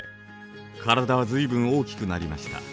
体は随分大きくなりました。